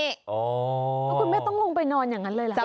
แล้วคุณแม่ต้องลงไปนอนอย่างนั้นเลยเหรอ